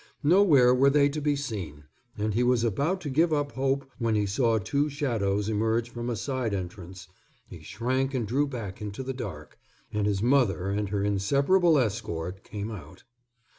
Nowhere were they to be seen, and he was about to give up hope when he saw two shadows emerge from a side entrance he shrank and drew back into the dark and his mother and her inseparable escort came out.